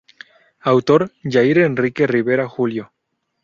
Autor: Yair Enrique Rivera Julio.